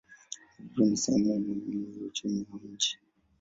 Uvuvi ni sehemu muhimu ya uchumi wa mji.